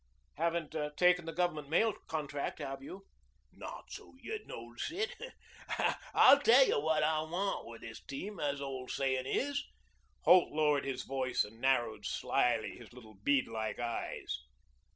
"Haven't taken the Government mail contract, have you?" "Not so you could notice it. I'll tell you what I want with this team, as the old sayin' is." Holt lowered his voice and narrowed slyly his little beadlike eyes.